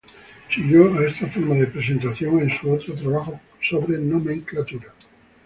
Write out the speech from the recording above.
Siguió a esta forma de presentación en su otro trabajo sobre nomenclatura.